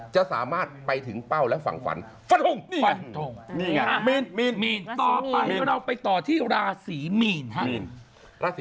จะสามารถไปถึงเป้าและฝั่งฟันฟันธง